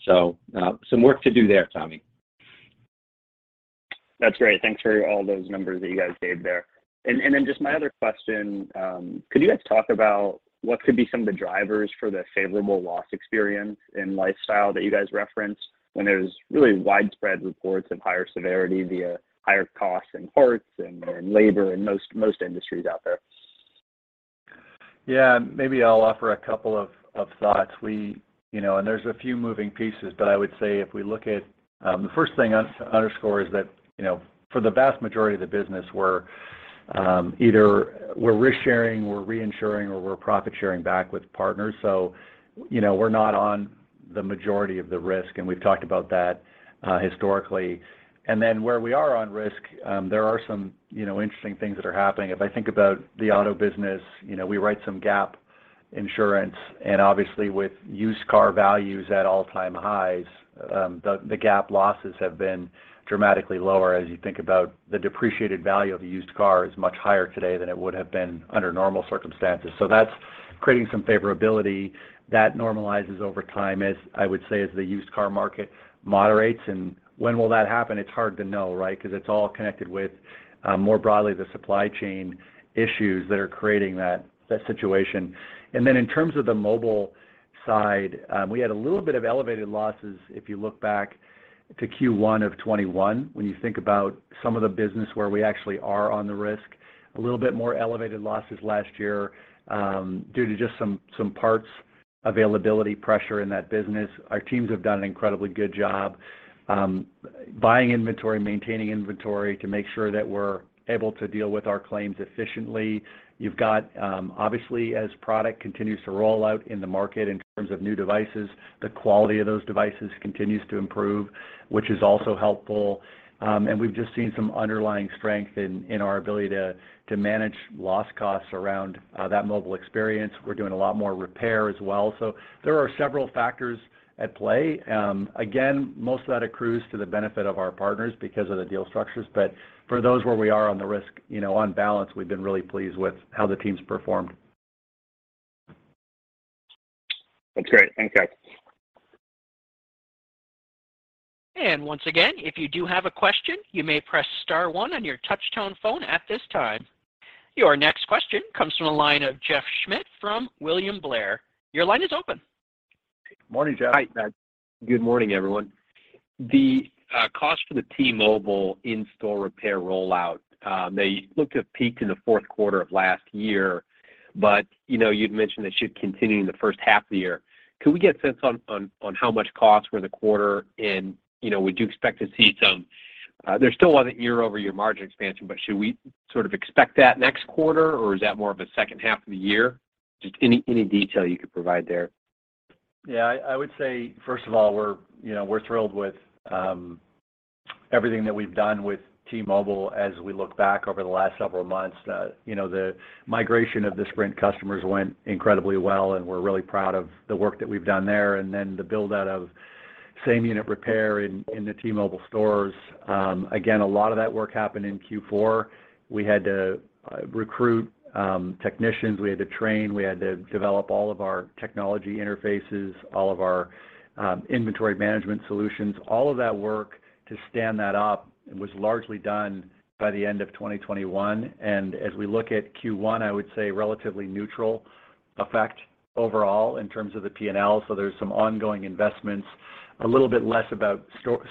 Some work to do there, Tommy. That's great. Thanks for all those numbers that you guys gave there. Just my other question, could you guys talk about what could be some of the drivers for the favorable loss experience and lifestyle that you guys referenced when there's really widespread reports of higher severity via higher costs in parts and labor in most industries out there? Yeah. Maybe I'll offer a couple of thoughts. We, you know, there's a few moving pieces, but I would say if we look at the first thing I underscore is that, you know, for the vast majority of the business, we're either we're risk-sharing, we're reinsuring, or we're profit-sharing back with partners. You know, we're not on the majority of the risk, and we've talked about that historically. Where we are on risk, there are some, you know, interesting things that are happening. If I think about the auto business, you know, we write some gap insurance, and obviously with used car values at all-time highs, the gap losses have been dramatically lower as you think about the depreciated value of a used car is much higher today than it would have been under normal circumstances. That's creating some favorability that normalizes over time as, I would say, as the used car market moderates. When will that happen? It's hard to know, right? 'Cause it's all connected with, more broadly the supply chain issues that are creating that situation. Then in terms of the mobile side, we had a little bit of elevated losses if you look back to Q1 of 2021. When you think about some of the business where we actually are on the risk, a little bit more elevated losses last year, due to just some parts availability pressure in that business. Our teams have done an incredibly good job, buying inventory, maintaining inventory to make sure that we're able to deal with our claims efficiently. You've got, obviously as product continues to roll out in the market in terms of new devices, the quality of those devices continues to improve, which is also helpful. We've just seen some underlying strength in our ability to manage loss costs around that mobile experience. We're doing a lot more repair as well. There are several factors at play. Most of that accrues to the benefit of our partners because of the deal structures. For those where we are on the risk, you know, on balance, we've been really pleased with how the team's performed. That's great. Thanks, guys. Once again, if you do have a question, you may press star one on your touch-tone phone at this time. Your next question comes from the line of Jeff Schmitt from William Blair. Your line is open. Morning, Jeff. Hi. Good morning, everyone. The cost for the T-Mobile in-store repair rollout, they looked to have peaked in the Q4 of last year, but, you know, you'd mentioned they should continue in the first half of the year. Could we get a sense on how much cost for the quarter? You know, would you expect to see, there still wasn't year-over-year margin expansion, but should we sort of expect that next quarter, or is that more of a second half of the year? Just any detail you could provide there. Yeah. I would say, first of all, you know, we're thrilled with everything that we've done with T-Mobile as we look back over the last several months. The migration of the Sprint customers went incredibly well, and we're really proud of the work that we've done there. Then the build-out of same-unit repair in the T-Mobile stores, again, a lot of that work happened in Q4. We had to recruit technicians. We had to train. We had to develop all of our technology interfaces, all of our inventory management solutions. All of that work to stand that up was largely done by the end of 2021. As we look at Q1, I would say relatively neutral effect overall in terms of the P&L. There's some ongoing investments. A little bit less about store,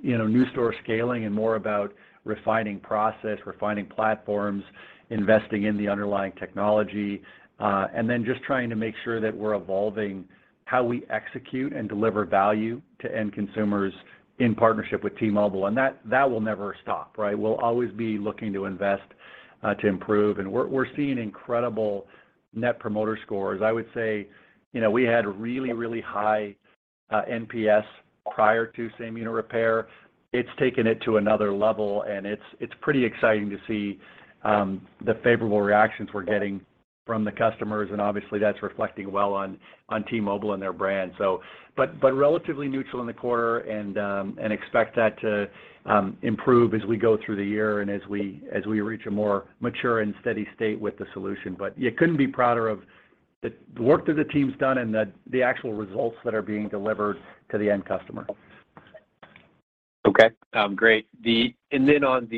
you know, new store scaling and more about refining process, refining platforms, investing in the underlying technology, and then just trying to make sure that we're evolving how we execute and deliver value to end consumers in partnership with T-Mobile. That will never stop, right? We'll always be looking to invest to improve. We're seeing incredible net promoter scores. I would say, you know, we had really high NPS prior to same-unit repair. It's taken it to another level, and it's pretty exciting to see the favorable reactions we're getting from the customers, and obviously that's reflecting well on T-Mobile and their brand. Relatively neutral in the quarter and expect that to improve as we go through the year and as we reach a more mature and steady state with the solution. You couldn't be prouder of the work that the team's done and the actual results that are being delivered to the end customer. Okay. Great. On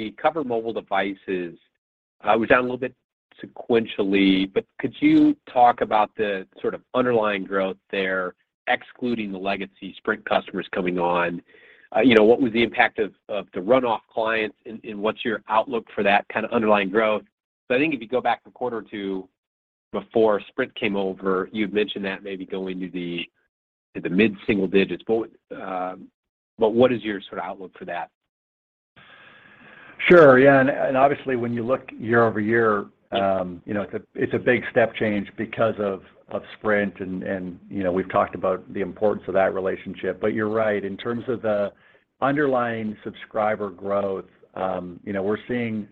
the core mobile devices, it was down a little bit sequentially, but could you talk about the sort of underlying growth there, excluding the legacy Sprint customers coming on? You know, what was the impact of the runoff clients, and what's your outlook for that kind of underlying growth? I think if you go back a quarter or two before Sprint came over, you'd mentioned that maybe going to the mid-single digits. What is your sort of outlook for that? Sure. Yeah. Obviously, when you look year-over-year, you know, it's a big step change because of Sprint and, you know, we've talked about the importance of that relationship. You're right. In terms of the underlying subscriber growth, you know, we're seeing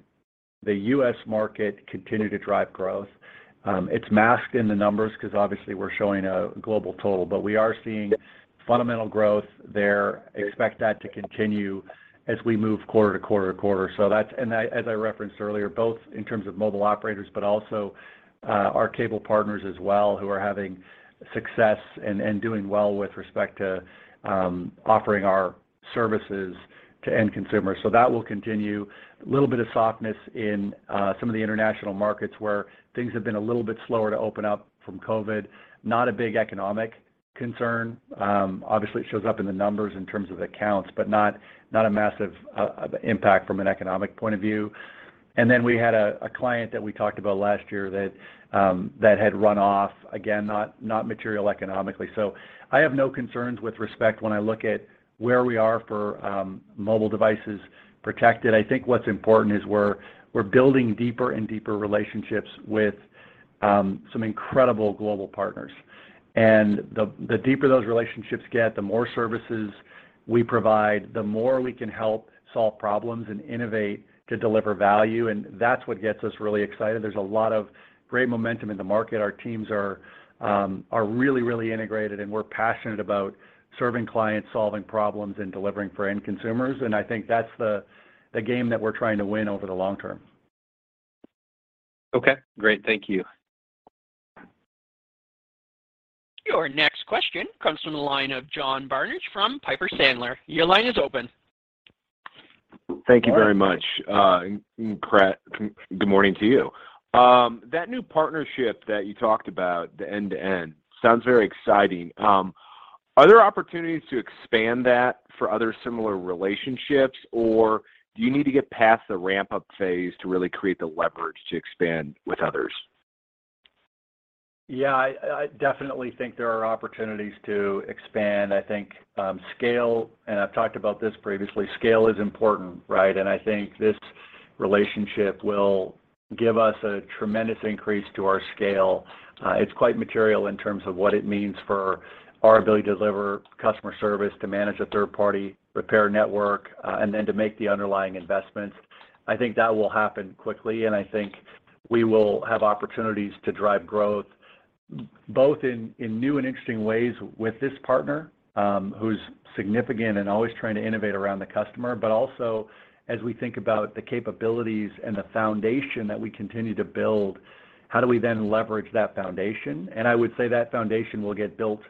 the U.S. market continue to drive growth. It's masked in the numbers 'cause obviously we're showing a global total, but we are seeing fundamental growth there. Expect that to continue as we move quarter to quarter to quarter. As I referenced earlier, both in terms of mobile operators, but also our cable partners as well who are having success and doing well with respect to offering our services to end consumers. That will continue. A little bit of softness in some of the international markets where things have been a little bit slower to open up from COVID, not a big economic concern. Obviously, it shows up in the numbers in terms of accounts, but not a massive impact from an economic point of view. Then we had a client that we talked about last year that had run off, again, not material economically. I have no concerns with respect to where we are for mobile devices protected. I think what's important is we're building deeper and deeper relationships with some incredible global partners. The deeper those relationships get, the more services we provide, the more we can help solve problems and innovate to deliver value, and that's what gets us really excited. There's a lot of great momentum in the market. Our teams are really integrated, and we're passionate about serving clients, solving problems, and delivering for end consumers. I think that's the game that we're trying to win over the long term. Okay, great. Thank you. Your next question comes from the line of John Barnidge from Piper Sandler. Your line is open. Thank you very much, and good morning to you. That new partnership that you talked about, the end-to-end, sounds very exciting. Are there opportunities to expand that for other similar relationships, or do you need to get past the ramp-up phase to really create the leverage to expand with others? Yeah, I definitely think there are opportunities to expand. I think, scale, and I've talked about this previously, scale is important, right? I think this relationship will give us a tremendous increase to our scale. It's quite material in terms of what it means for our ability to deliver customer service, to manage a third-party repair network, and then to make the underlying investments. I think that will happen quickly, and I think we will have opportunities to drive growth both in new and interesting ways with this partner, who's significant and always trying to innovate around the customer, but also as we think about the capabilities and the foundation that we continue to build, how do we then leverage that foundation? I would say that foundation will get built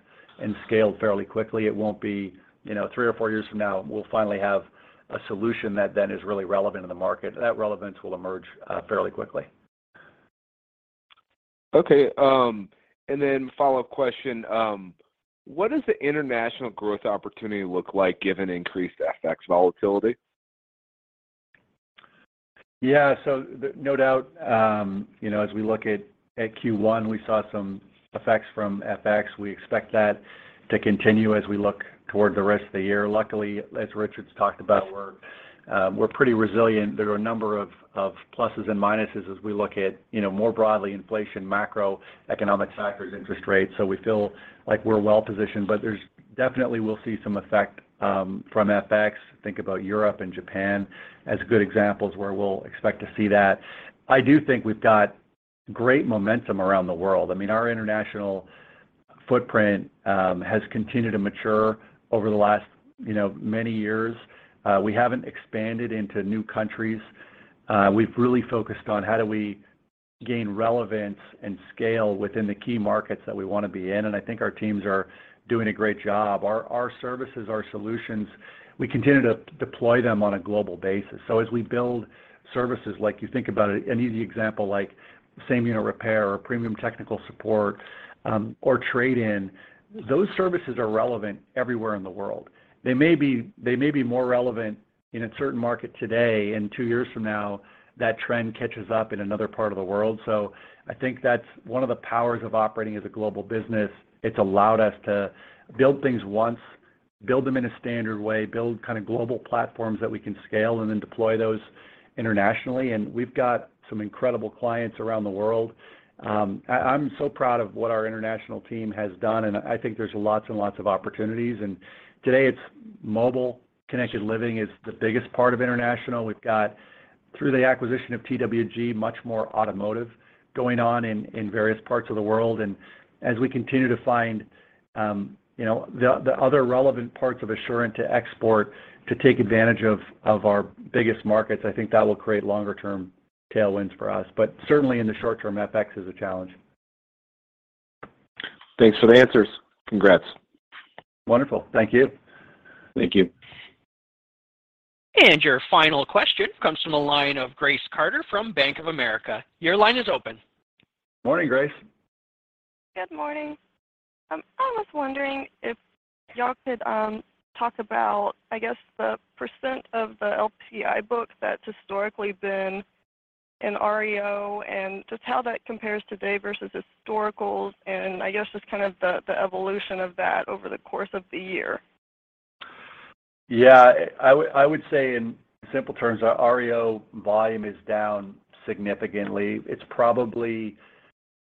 and scaled fairly quickly. It won't be, you know, three or four years from now, we'll finally have a solution that then is really relevant in the market. That relevance will emerge fairly quickly. Okay. Follow-up question. What does the international growth opportunity look like given increased FX volatility? Yeah. No doubt, you know, as we look at Q1, we saw some effects from FX. We expect that to continue as we look toward the rest of the year. Luckily, as Richard Dziadzio's talked about, we're pretty resilient. There are a number of pluses and minuses as we look at, you know, more broadly, inflation, macroeconomic factors, interest rates, so we feel like we're well-positioned. We'll definitely see some effect from FX. Think about Europe and Japan as good examples where we'll expect to see that. I do think we've got great momentum around the world. I mean, our international footprint has continued to mature over the last, you know, many years. We haven't expanded into new countries. We've really focused on how do we gain relevance and scale within the key markets that we wanna be in, and I think our teams are doing a great job. Our services, our solutions, we continue to deploy them on a global basis. As we build services, like you think about an easy example like same unit repair or premium technical support, or trade-in, those services are relevant everywhere in the world. They may be more relevant in a certain market today, and two years from now, that trend catches up in another part of the world. I think that's one of the powers of operating as a global business. It's allowed us to build things once, build them in a standard way, build kind of global platforms that we can scale and then deploy those internationally. We've got some incredible clients around the world. I'm so proud of what our international team has done, and I think there's lots and lots of opportunities. Today, it's mobile. Connected Living is the biggest part of international. We've got, through the acquisition of TWG, much more automotive going on in various parts of the world. As we continue to find the other relevant parts of Assurant to export to take advantage of our biggest markets, I think that will create longer term tailwinds for us. But certainly in the short term, FX is a challenge. Thanks for the answers. Congrats. Wonderful. Thank you. Thank you. Your final question comes from the line of Grace Carter from Bank of America. Your line is open. Morning, Grace. Good morning. I was wondering if y'all could talk about, I guess, the percent of the LPI books that's historically been in REO and just how that compares today versus historicals, and I guess just kind of the evolution of that over the course of the year. Yeah. I would say in simple terms, our REO volume is down significantly. It's probably,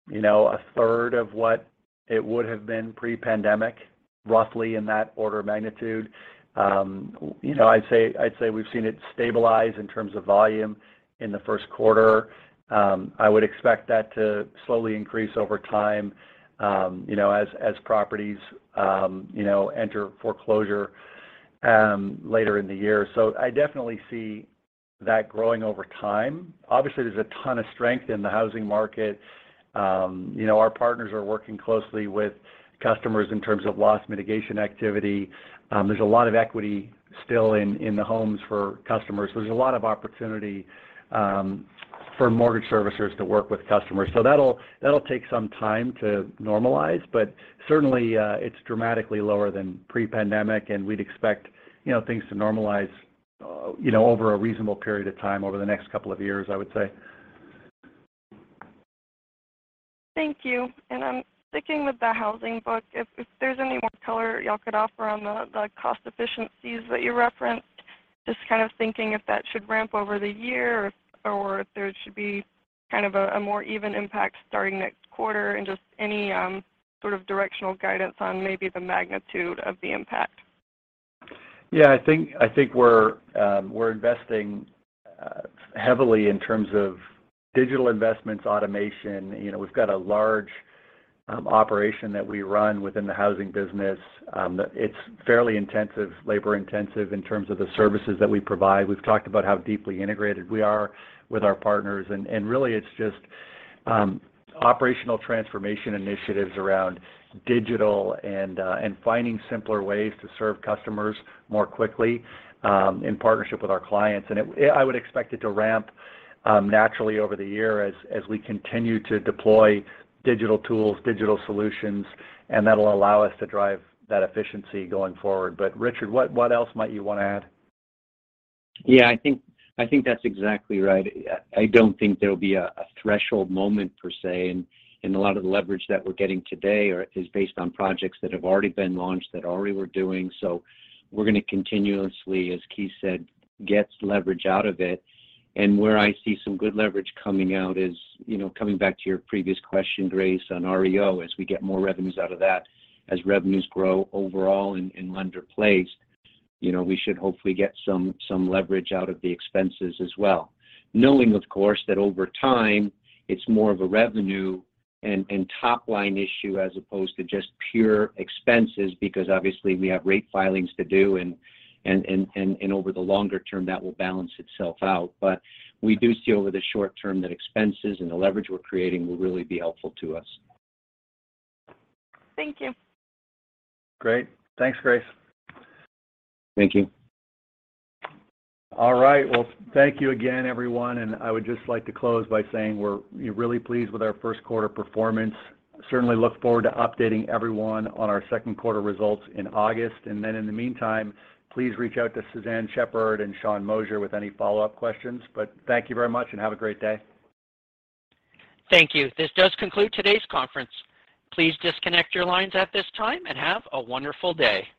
you know, a third of what it would have been pre-pandemic, roughly in that order of magnitude. You know, I'd say we've seen it stabilize in terms of volume in the Q1. I would expect that to slowly increase over time, you know, as properties, you know, enter foreclosure, later in the year. I definitely see that growing over time. Obviously, there's a ton of strength in the housing market. You know, our partners are working closely with customers in terms of loss mitigation activity. There's a lot of equity still in the homes for customers. There's a lot of opportunity, for mortgage servicers to work with customers. That'll take some time to normalize, but certainly, it's dramatically lower than pre-pandemic, and we'd expect, you know, things to normalize, you know, over a reasonable period of time over the next couple of years, I would say. Thank you. I'm sticking with the housing book. If there's any more color y'all could offer on the cost efficiencies that you referenced, just kind of thinking if that should ramp over the year or if there should be kind of a more even impact starting next quarter and just any sort of directional guidance on maybe the magnitude of the impact. Yeah. I think we're investing heavily in terms of digital investments, automation. You know, we've got a large operation that we run within the housing business that it's fairly intensive, labor-intensive in terms of the services that we provide. We've talked about how deeply integrated we are with our partners and really it's just operational transformation initiatives around digital and finding simpler ways to serve customers more quickly in partnership with our clients. I would expect it to ramp naturally over the year as we continue to deploy digital tools, digital solutions, and that'll allow us to drive that efficiency going forward. Richard, what else might you wanna add? Yeah. I think that's exactly right. I don't think there'll be a threshold moment per se, and a lot of the leverage that we're getting today is based on projects that have already been launched, that already we're doing. We're gonna continuously, as Keith said, get leverage out of it. Where I see some good leverage coming out is, you know, coming back to your previous question, Grace, on REO, as we get more revenues out of that, as revenues grow overall in lender-placed, you know, we should hopefully get some leverage out of the expenses as well. Knowing, of course, that over time it's more of a revenue and top line issue as opposed to just pure expenses because obviously we have rate filings to do and over the longer term, that will balance itself out. We do see over the short term that expenses and the leverage we're creating will really be helpful to us. Thank you. Great. Thanks, Grace. Thank you. All right. Well, thank you again, everyone, and I would just like to close by saying we're really pleased with our Q1 performance. Certainly look forward to updating everyone on our Q2 results in August. And then in the meantime, please reach out to Suzanne Shepherd and Sean Mosher with any follow-up questions. Thank you very much and have a great day. Thank you. This does conclude today's conference. Please disconnect your lines at this time and have a wonderful day.